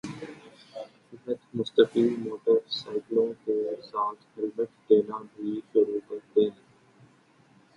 فہد مصطفی موٹر سائیکلوں کے ساتھ ہیلمٹ دینا بھی شروع کردیں